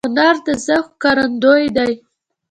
هنر د ذوق ښکارندوی دی